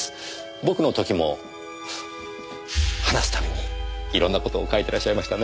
僕の時も話すたびにいろんな事を書いてらっしゃいましたね。